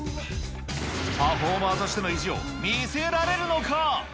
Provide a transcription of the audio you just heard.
パフォーマーとしての意地を見せられるのか。